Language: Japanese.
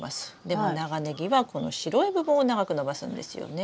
でも長ネギはこの白い部分を長く伸ばすんですよね。